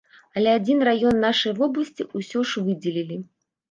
Але адзін раён нашай вобласці ўсё ж выдзелілі.